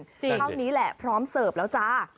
เท่านี้แหละพร้อมเสิร์ฟแล้วจ้า